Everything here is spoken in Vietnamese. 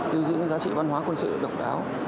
lưu giữ giá trị văn hóa quân sự độc đáo